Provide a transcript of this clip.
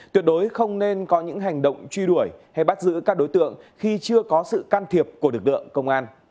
tuyệt đối không nên có những hành động truy đuổi hay bắt giữ các đối tượng khi chưa có sự can thiệp của lực lượng công an